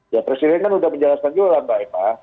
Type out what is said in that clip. ya presiden kan sudah menjelaskan juga lah mbak eva